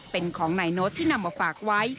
เป็นของนายโน้ตที่นำมาฝากไว้